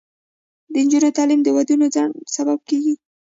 د نجونو تعلیم د ودونو ځنډ سبب دی.